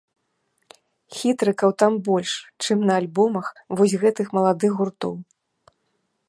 Хітрыкаў там больш, чым на альбомах вось гэтых маладых гуртоў.